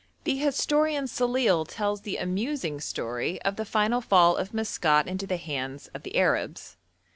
The historian Salil tells the amusing story of the final fall of Maskat into the hands of the Arabs.